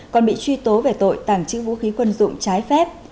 còn bị truy tố về tội tàng trữ vũ khí quân dụng trái phép